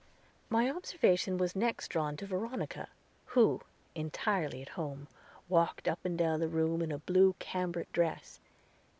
My observation was next drawn to Veronica, who, entirely at home, walked up and down the room in a blue cambric dress.